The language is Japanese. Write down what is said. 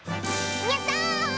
やった！